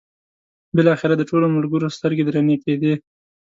بالاخره د ټولو ملګرو سترګې درنې کېدې.